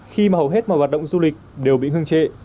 khi mà hầu hết mọi hoạt động du lịch đều bị ngưng trệ